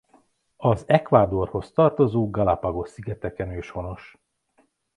Az Ecuadorhoz tartozó Galápagos-szigeteken őshonos.